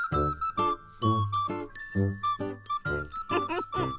フフフフ。